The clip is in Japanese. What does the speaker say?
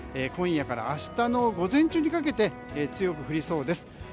今夜から明日の午前中にかけて強く降りそうです。